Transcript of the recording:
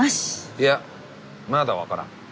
いやまだ分からん。